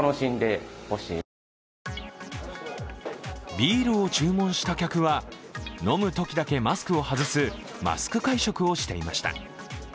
ビールを注文した客は、飲むときだけマスクを外すマスク会食をしていました。